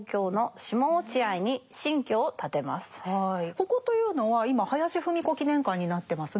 ここというのは今林芙美子記念館になってますね。